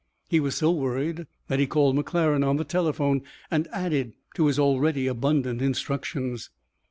He was so worried that he called McClaren on the telephone and added to his already abundant instructions.